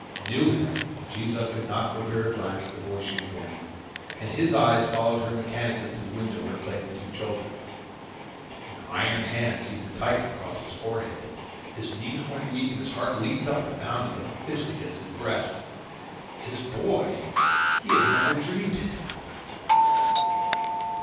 Knew him! Jees Uck could not forbear a glance at the boy she had borne him, and his eyes followed hers mechanically to the window where played the two children. An iron hand seemed to tighten across his forehead. His knees went weak and his heart leaped up and pounded like a fist against his breast. His boy! He had never dreamed it!